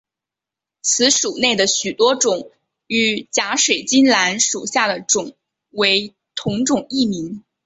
此属内的许多种与假水晶兰属下的种为同种异名。